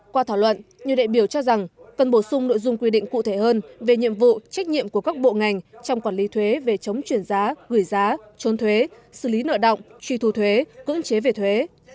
qua thảo luận nhiều đại biểu cho rằng cần bổ sung nội dung quy định cụ thể hơn về nhiệm vụ trách nhiệm của các bộ ngành trong quản lý thuế về chống chuyển giá gửi giá trốn thuế xử lý nợ động truy thu thuế cưỡng chế về thuế